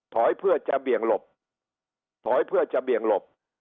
เพื่อจะเบี่ยงหลบถอยเพื่อจะเบี่ยงหลบ